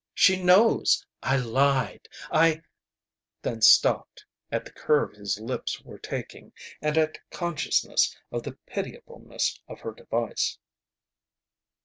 She knows! I lied! I " then stopped, at the curve his lips were taking and at consciousness of the pitiableness of her device.